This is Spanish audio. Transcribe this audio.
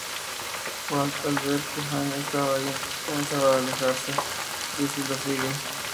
Walt al ver que Hank estaba ahí comienza a alejarse, Jesse lo sigue.